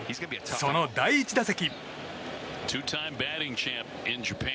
その第１打席。